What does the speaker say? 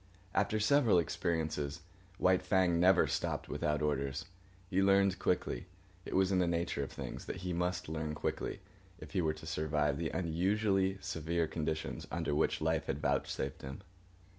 After several experiences, White Fang never stopped without orders. He learned quickly. It was in the nature of things, that he must learn quickly if he were to survive the unusually severe conditions under which life was vouchsafed him.